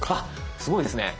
すごいですね。